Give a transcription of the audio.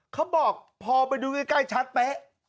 เขาบอกพอไปดูใกล้ชัดเป๊ะ